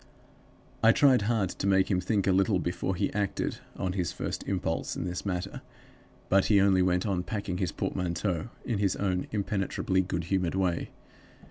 "I tried hard to make him think a little before he acted on his first impulse in this matter; but he only went on packing his portmanteau in his own impenetrably good humored way.